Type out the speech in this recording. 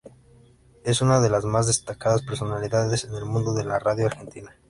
Es una de las más destacadas personalidades en el mundo de la Radio Argentina.